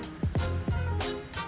salah satunya homestay